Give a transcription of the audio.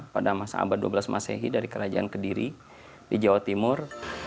pada masa abad dua belas masehi dari kerajaan kediri di jawa timur